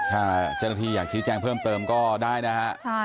ถ้าเจ้าหน้าที่อยากชี้แจงเพิ่มเติมก็ได้นะฮะ